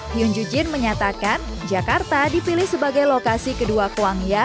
hyun ju jin menyatakan jakarta dipilih sebagai lokasi kedua kuangya